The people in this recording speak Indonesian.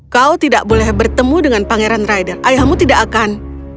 kau tidak boleh bertemu dengan pangeran rider ayahmu tidak akan